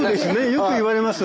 よくいわれます。